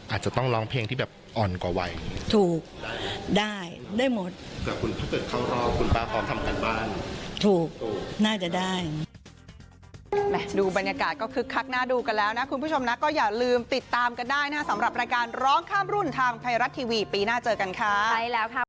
อาจจะต้องร้องเพลงที่แบบอ่อนกว่าวัยถูกได้ได้หมดถูกน่าจะได้ดูบรรยากาศก็คึกคักน่าดูกันแล้วนะคุณผู้ชมนะก็อย่าลืมติดตามกันได้นะสำหรับรายการร้องข้ามรุ่นทางไทยรัฐทีวีปีหน้าเจอกันค่ะไปแล้วค่ะ